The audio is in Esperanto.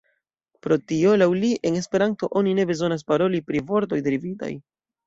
Pro tio, laŭ li, en Esperanto oni ne bezonas paroli pri vortoj derivitaj.